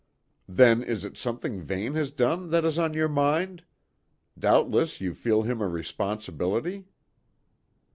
"Then, is it something Vane has done that is on your mind? Doubtless, ye feel him a responsibility?"